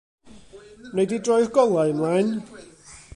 Wnei di droi'r golau ymlaen.